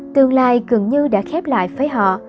tương lai gần như đã khép lại với họ